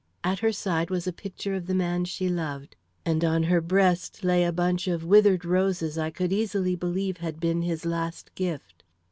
At her side was a picture of the man she loved, and on her breast lay a bunch of withered roses I could easily believe had been his last gift.